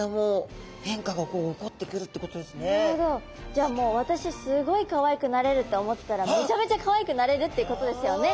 じゃあもう私すごいかわいくなれるって思ってたらめちゃめちゃかわいくなれるっていうことですよね。